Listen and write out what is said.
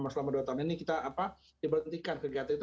selama dua tahun ini kita diberhentikan kegiatan itu